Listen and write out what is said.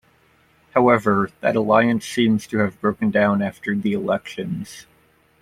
However, that alliance seems to have broken down after the elections.